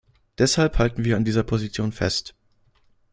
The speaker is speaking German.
Deshalb halten wir an dieser Position fest.